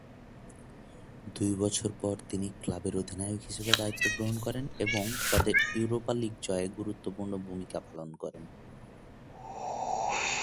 দুই বছর পর, তিনি ক্লাবের অধিনায়ক হিসেবে দায়িত্ব গ্রহণ করেন এবং তাদের ইউরোপা লীগ জয়ে গুরুত্বপূর্ণ ভুমিকা পালন করেন।